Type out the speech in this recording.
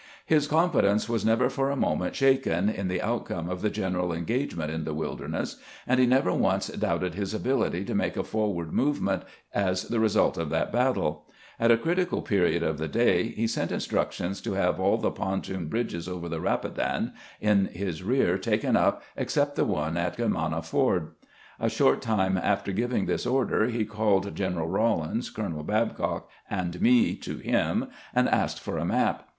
His confidence was never for a moment shaken in the outcome of the general engagement in the Wilderness, and he never once doubted his ability to make a forward movement as the result of that battle. At a critical period of the day he sent instructions to have all the pontoon bridges over the Eapidan in his rear taken up, except the one at G ermanna Ford. A short time after giving this order he caUed G eneral Eawlins, Colonel Bab cock, and me to him, and asked for a map.